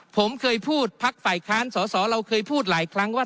ผมเคยพูดพักฝ่ายค้านสอสอเราเคยพูดหลายครั้งว่า